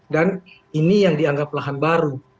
dan ini yang dianggap lahan baru